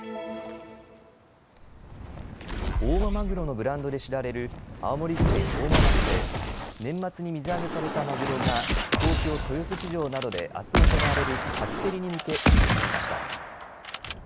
大間まぐろのブランドで知られる青森県大間町で年末に水揚げされたまぐろが東京豊洲市場などであす行われる初競りに向け出荷されました。